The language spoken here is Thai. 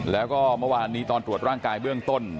แล้วก็เมื่อวานนี้ตอนตรวจร่างกายเบื้องต้น